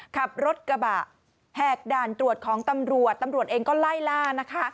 ขับรถกระบะแหกด่านตรวจของตำรวจตำรวจเองก็ไล่ล่านะคะ